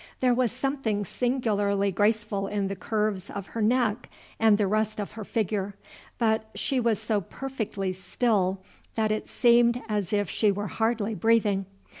There was something singularly graceful in the curves of her neck and the rest of her figure, but she was so perfectly still that it seemed as if she were hardly breathing.